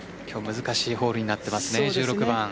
今日、難しいホールになっていますね、１６番。